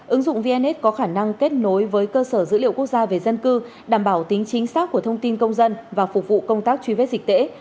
ứng dụng vnx có khả năng kết nối với cơ sở dữ liệu quốc gia về dân cư đảm bảo tính chính xác của thông tin công dân và phục vụ công tác truy vết dịch tễ